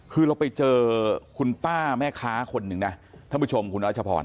คือเราไปเจอคุณป้าแม่ค้าคนหนึ่งนะท่านผู้ชมคุณรัชพร